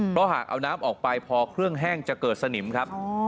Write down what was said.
เพราะหากเอาน้ำออกไปพอเครื่องแห้งจะเกิดสนิมครับ